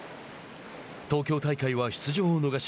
東京大会は出場を逃し